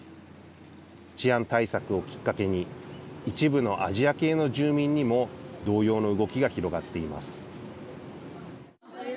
治安対策をきっかけに一部のアジア系の住民にも同様の動きが広がっています。